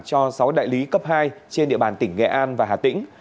cho sáu đại lý cấp hai trên địa bàn tỉnh nghệ an và hà tĩnh